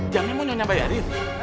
jangan menonjol bayarin